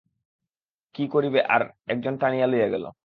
কী করিবে, আর একজন টানিয়া লইয়া গেল।